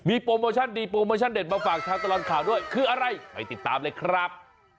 โปรโมชั่นดีโปรโมชั่นเด็ดมาฝากทางตลอดข่าวด้วยคืออะไรไปติดตามเลยครับ